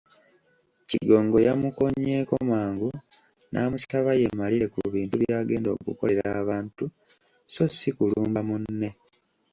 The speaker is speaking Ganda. Kigongo yamukomyeko mangu n'amusaba yeemalire ku bintu byagenda okukolera abantu so ssi kulumba munne.